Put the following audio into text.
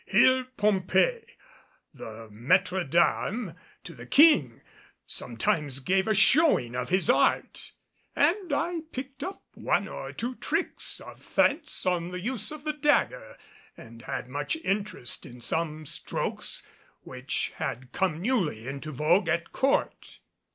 Here Pompée, the maître d'armes to the King, sometimes gave a showing of his art; and I picked up one or two tricks of fence on the use of the dagger and had much interest in some strokes which had come newly into vogue at court.